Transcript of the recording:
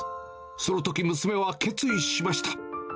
そのとき、娘は決意しました。